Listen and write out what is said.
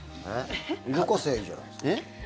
動かせばいいじゃないですか。